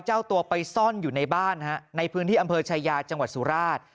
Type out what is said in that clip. เจ้าตัวไปซ่อนอยู่ในบ้านฮะในพื้นที่อำเภอชายาจังหวัดสุราช